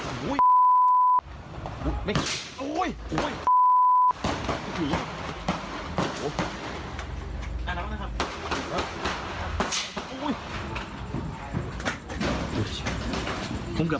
โอ้โหยังไม่หยุดนะครับ